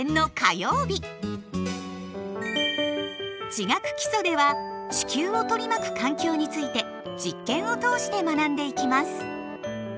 「地学基礎」では地球を取り巻く環境について実験を通して学んでいきます。